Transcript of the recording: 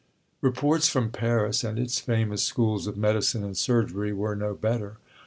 Reports from Paris and its famous schools of medicine and surgery were no better.